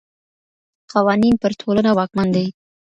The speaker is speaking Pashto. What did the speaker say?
قوانین پر ټولنه واکمن دي.